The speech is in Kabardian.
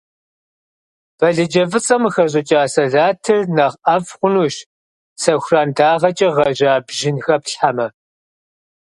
Балыджэ фӀыцӀэм къыхэщӀыкӀа салатыр нэхъ ӀэфӀ хъунущ, сэхуран дагъэкӀэ гъэжьа бжьын хэплъхьэмэ.